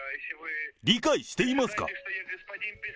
理解していますか。